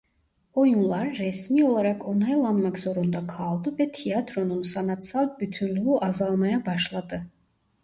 Oyunlar resmi olarak onaylanmak zorunda kaldı ve Tiyatronun sanatsal bütünlüğü azalmaya başladı.